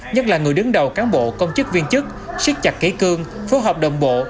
nhất là người đứng đầu cán bộ công chức viên chức sức chặt kỹ cương phố hợp đồng bộ